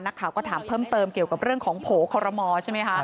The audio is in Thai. นักข่าวก็ถามเพิ่มเติมเกี่ยวกับเรื่องของโผล่คอรมอใช่ไหมคะ